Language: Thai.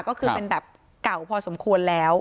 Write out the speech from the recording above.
ก็คือเป็นแบบเก่าพอสมควรแล้ว